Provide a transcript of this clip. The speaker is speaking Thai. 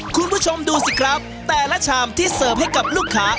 คุณผู้ชมดูสิครับแต่ละชามที่เสิร์ฟให้กับลูกค้า